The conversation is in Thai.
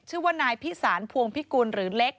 ชื่อว่านายพิสารพวงพิกุลหรือเล็ก